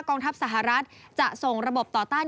องทัพสหรัฐจะส่งระบบต่อต้าน